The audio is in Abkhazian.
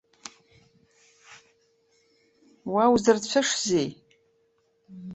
Уа узырцәышзеи?